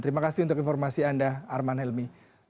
terima kasih untuk informasi anda arman helmi